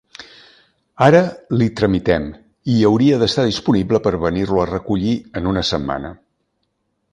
Ara li tramitem i hauria d'estar disponible per venir-lo a recollir en una setmana.